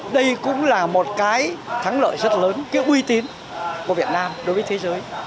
đây cũng là một cái thắng lợi rất lớn cái uy tín của việt nam đối với thế giới